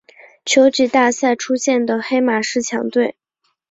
秋季大赛出现的黑马式强队。